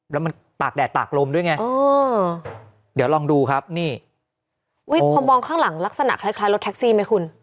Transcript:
แล้วมันตากแดดตากลมด้วยไงเดี๋ยวลองดูครับนี่อุ้ยพอมองข้างหลังลักษณะคล้ายคล้ายรถแท็กซี่ไหมคุณ